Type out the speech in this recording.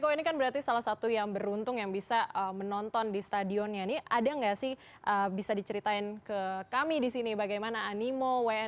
oke mas eko ini kan berarti salah satu yang beruntung yang bisa menonton di stadionnya ini ada gak sih bisa diceritain ke kami di sini bagaimana animo wnr dan lain lain